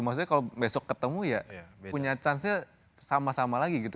maksudnya kalau besok ketemu ya punya chance nya sama sama lagi gitu